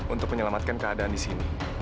untuk menyelamatkan keadaan di sini